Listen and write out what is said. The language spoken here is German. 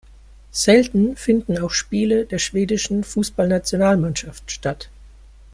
Selten finden auch Spiele der schwedischen Fußballnationalmannschaft statt.